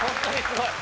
すごい！